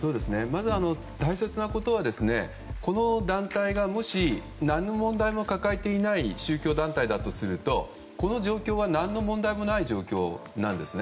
まず、大切なことはこの団体がもし何も問題を抱えていない宗教団体だとすると、この状況は何の問題もない状況なんです。